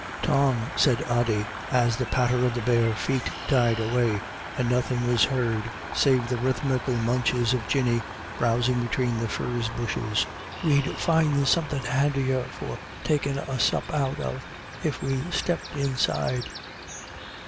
"Tom/' said Ody, as the patter of the bare feet died away, and nothing was heard save the rhythmical munches of Jinny browsing between the furze bushes, " we'd find somethin , handier for taking a sup out of, if we stepped inside."